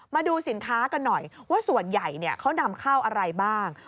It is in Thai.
มาดูสินค้ากันหน่อยว่าส่วนใหญ่เขานำเข้าอะไรบ้าง